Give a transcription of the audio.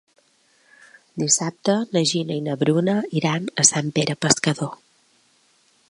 Dissabte na Gina i na Bruna iran a Sant Pere Pescador.